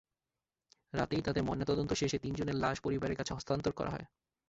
রাতেই তাঁদের ময়নাতদন্ত শেষে তিনজনের লাশ পরিবারের কাছে হস্তান্তর করা হয়।